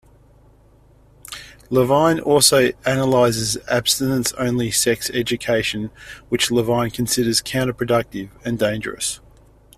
Levine also analyzes abstinence-only sex education, which Levine considers counter-productive and dangerous.